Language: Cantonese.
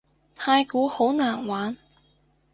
太鼓好難玩